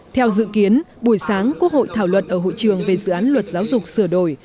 theo dự kiến buổi sáng quốc hội thảo luận ở hội trường về dự án luật giáo dục sửa đổi